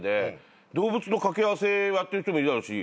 動物の掛け合わせやってる人もいるだろうし。